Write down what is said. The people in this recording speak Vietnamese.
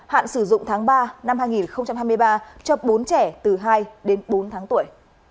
hạn sử dụng tháng ba năm hai nghìn hai mươi ba cho bốn trẻ từ hai đến bốn tháng tuổi